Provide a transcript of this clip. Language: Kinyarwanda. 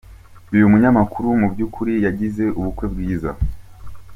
Uyu munyamakuru mu by'ukuri yagize ubukwe bwiza.